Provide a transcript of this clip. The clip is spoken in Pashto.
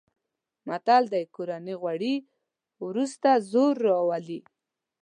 متل دی: کورني غوړي ورسته زور راولي.